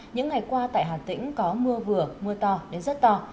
những ngày qua tại hà tĩnh có mưa vừa mưa to đến rất to